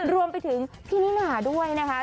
รวมไปถึงพี่นิน่าด้วยนะคะ